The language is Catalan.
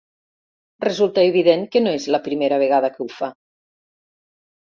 Resulta evident que no és la primera vegada que ho fa.